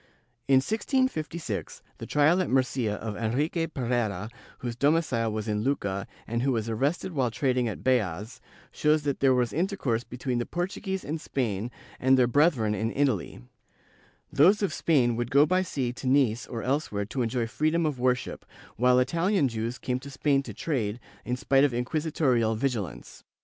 In 1656, the trial at Murcia of Enrique Pereira, whose domicile was in Lucca and who was arrested while trading at Beas, shows that there was intercourse between the Portuguese in Spain and their brethren in Italy ; those of Spain would go by sea to Nice or else where to enjoy freedom of worship, while Itahan Jews came to Spain to trade, in spite of inquisitorial vigilance.